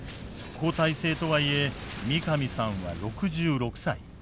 交代制とはいえ三上さんは６６歳。